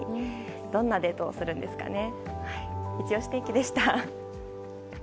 どんなデートをするんですかね。